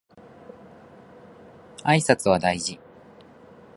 挨拶は大事